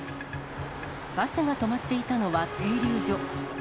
バスが止まっていたのは停留所。